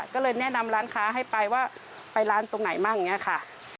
ก็เลยแนะนำร้านค้าให้ไปว่าไปร้านตรงไหนบ้างอย่างนี้ค่ะ